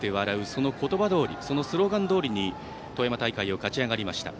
その言葉どおりそのスローガンどおりに富山大会を勝ち上がりました。